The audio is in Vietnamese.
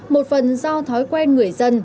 một phần do thói quen người dân